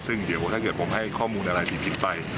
ซึ่งเดี๋ยวถ้าเกิดผมให้ข้อมูลอะไรผิดไป